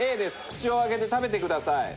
口を開けて食べてください。